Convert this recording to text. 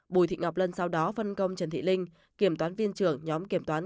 bùi thị ngọc lân sau đó phân công trần thị linh kiểm toán viên trưởng nhóm kiểm toán